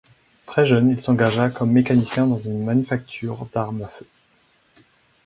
Très jeune, il s'engagea comme mécanicien dans une Manufacture d'armes à feu.